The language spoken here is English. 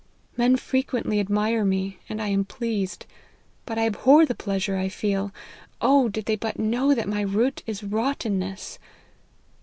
" Men frequently admire me, and I am pleased ; but I abhor the pleasure I feel ; oh ! did they but know that my root is rottenness